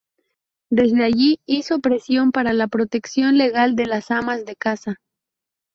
Desde allí hizo presión para la protección legal de las amas de casa.